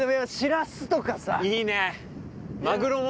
いいね。